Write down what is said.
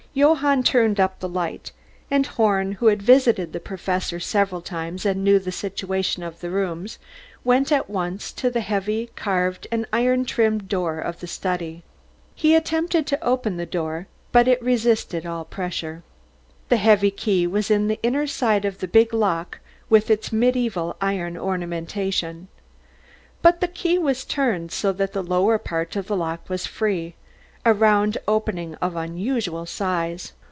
Johann turned up the light, and Horn, who had visited the Professor several times and knew the situation of the rooms, went at once to the heavy, carved and iron trimmed door of the study. He attempted to open the door, but it resisted all pressure. The heavy key was in the inner side of the big lock with its medieval iron ornamentation. But the key was turned so that the lower part of the lock was free, a round opening of unusual size.